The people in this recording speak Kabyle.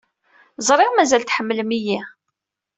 Ẓriɣ mazal tḥemmlem-iyi.